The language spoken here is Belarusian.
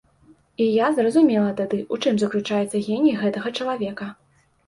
І я зразумела тады, у чым заключаецца геній гэтага чалавека.